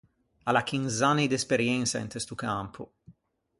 A l’à chinz’anni d’esperiensa inte sto campo.